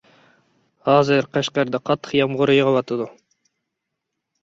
ھازىر قەشقەردە قاتتىق يامغۇر يېغىۋاتىدۇ!